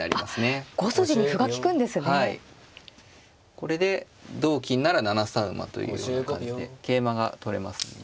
これで同金なら７三馬というような感じで桂馬が取れますので。